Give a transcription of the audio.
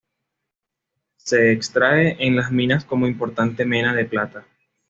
Se extrae en las minas como importante mena de plata.